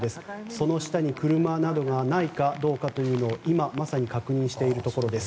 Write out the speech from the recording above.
その下に車などがないかどうかというのを今まさに確認しているところです。